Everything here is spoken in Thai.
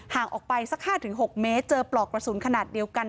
ห่างออกไปสัก๕๖เมตรเจอปลอกกระสุนขนาดเดียวกัน